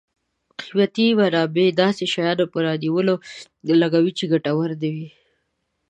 قیمتي منابع داسې شیانو په رانیولو لګوي چې ګټور نه وي.